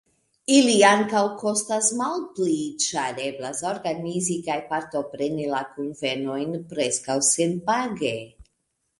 Ili ankaŭ kostas malpli, ĉar eblas organizi kaj partopreni la kunvenojn preskaŭ senpage.